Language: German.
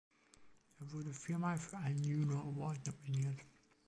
Er wurde vier Mal für einen Juno Award nominiert.